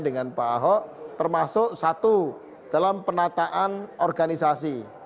dengan pak ahok termasuk satu dalam penataan organisasi